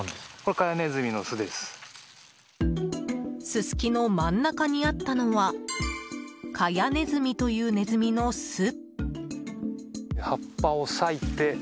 ススキの真ん中にあったのはカヤネズミというネズミの巣。